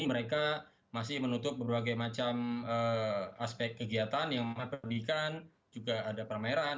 mereka masih menutup berbagai macam aspek kegiatan yang memperdikan juga ada pameran